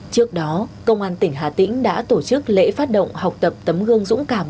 trước đó công an tỉnh hà tĩnh đã tổ chức lễ phát động học tập tấm gương dũng cảm